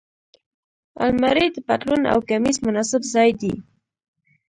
الماري د پتلون او کمیس مناسب ځای دی